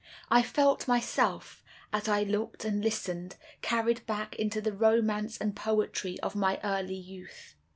I felt myself, as I looked and listened, carried back into the romance and poetry of my early youth.